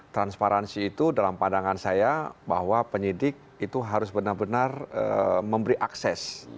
transparansi itu dalam pandangan saya bahwa penyidik itu harus benar benar memberi akses